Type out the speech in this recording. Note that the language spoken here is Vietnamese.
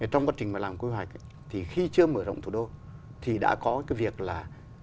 trong quá trình mà làm quy hoạch thì khi chưa mở rộng thủ đô thì đã có cái việc là